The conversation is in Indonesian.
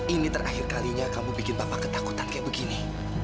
ini terakhir kalinya kamu bikin bapak ketakutan kayak begini